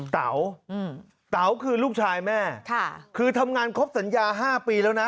เต๋าเต๋าคือลูกชายแม่คือทำงานครบสัญญา๕ปีแล้วนะ